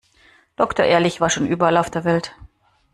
Doktor Ehrlich war schon überall auf der Welt.